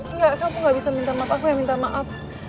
enggak kamu gak bisa minta maaf aku yang minta maaf